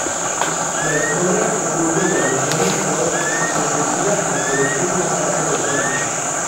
La historia concluye cuando Jonny Frost se suicida al elegir lanzarse del puente.